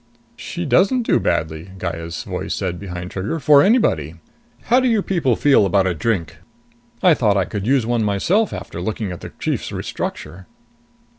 "She doesn't do badly," Gaya's voice said behind Trigger, "for anybody. How do you people feel about a drink? I thought I could use one myself after looking at the chief's restructure."